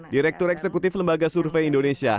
direktur eksekutif lembaga survei indonesia